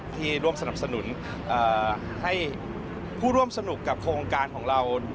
ที่ร่วมสนับสนุนให้ผู้ร่วมสนุกกับโครงการของเรา